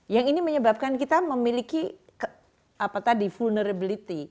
yang ini menyebabkan kita memiliki apa tadi vulnerability